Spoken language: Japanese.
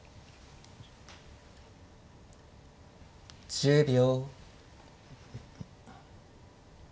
１０秒。